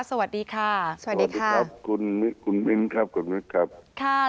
สวัสดีค่ะ